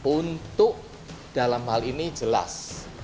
untuk dalam hal ini jelas